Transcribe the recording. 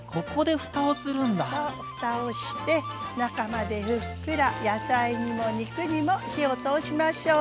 そうふたをして中までふっくら野菜にも肉にも火を通しましょう。